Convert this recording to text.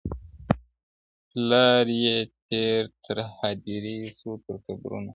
پلار یې تېر تر هدیرې سو تر قبرونو؛